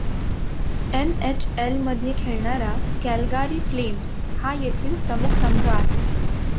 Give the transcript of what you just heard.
N. H. L. मध्ये खेळणारा Calgary Flames हा येथील प्रमुख संघ आहे.